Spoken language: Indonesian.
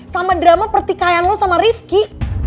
sama drama pertikaian lo sama rifki